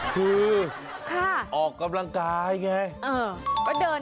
คือออกกำลังกายไง